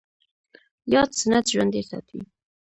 ياد سنت ژوندی ساتي